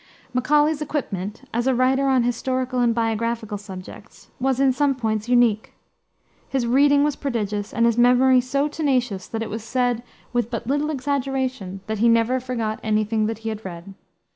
Macaulay's equipment, as a writer on historical and biographical subjects, was, in some points, unique. His reading was prodigious, and his memory so tenacious, that it was said, with but little exaggeration, that he never forgot any thing that he had read.